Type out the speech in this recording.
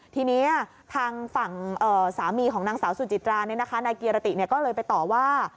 ทีนี้ทางฝั่งสามีของนางสาวสุจิตรานายเกียรติก็เลยไปต่อว่า